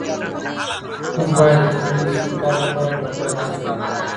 موږ بايد د ټولني د ارتقا لپاره په ګډه هڅې وکړو.